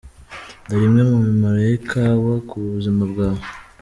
Dore imwe mu mimaro y’ikawa ku buzima bwawe.